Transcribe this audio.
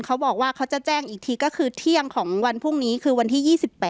เขาบอกว่าเขาจะแจ้งอีกทีก็คือเที่ยงของวันพรุ่งนี้คือวันที่๒๘